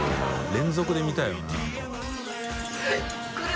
連続で見たいよな何か。